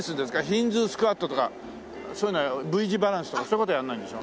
ヒンズースクワットとかそういうのはＶ字バランスとかそういう事はやらないんでしょ？